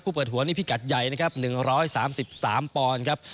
เปิดหัวนี่พิกัดใหญ่นะครับ๑๓๓ปอนด์ครับ